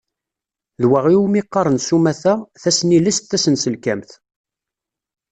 D wa iwumi qqaren s umata: Tasnilest tasenselkamt.